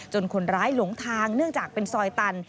คนร้ายหลงทางเนื่องจากเป็นซอยตัน